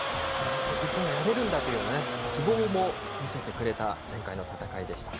日本がやれるんだという希望も見せてくれた前回の戦いでした。